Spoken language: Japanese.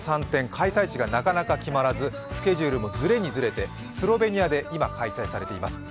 開催地がなかなか決まらずスケジュールもずれにずれて、スロベニアで今、開催されています。